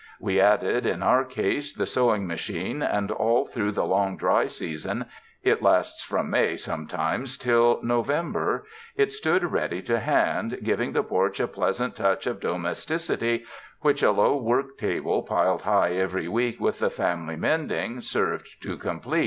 We added, in our case, the sewing machine, and all through the long dry season — it lasts from May sometimes till November— it stood ready to hand, giving the porch a pleasant touch of domesticity which a low work table, piled high every week with the family mending, served to complete.